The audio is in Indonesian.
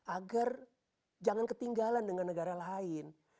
agar jangan ketinggalan dengan negara lain